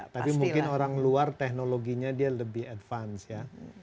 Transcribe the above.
tapi mungkin orang luar teknologinya dia lebih advance ya